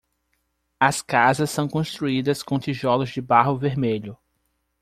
As casas são construídas com tijolos de barro vermelho.